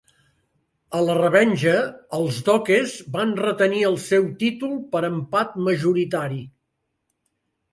A la revenja, els Dokes van retenir el seu títol per empat majoritari.